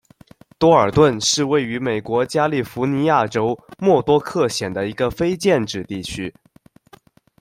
多尔顿是位于美国加利福尼亚州莫多克县的一个非建制地区。